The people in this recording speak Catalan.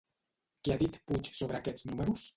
Què ha dit Puig sobre aquests números?